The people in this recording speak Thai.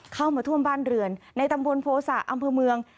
เข้ามาท่วมบ้านเรือนในตำบลโภษะอำเภอเมือง